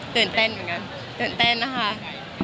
ตื่นเต้นเหมือนกัน